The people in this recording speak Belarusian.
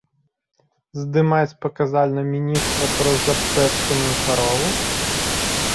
Здымаць паказальна міністра праз абпэцканую карову?!